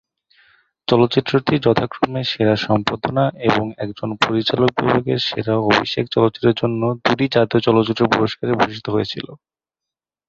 চলচ্চিত্রটি যথাক্রমে সেরা সম্পাদনা এবং একজন পরিচালক বিভাগের সেরা অভিষেক চলচ্চিত্রের জন্য দুটি জাতীয় চলচ্চিত্র পুরষ্কারে ভূষিত হয়েছিল।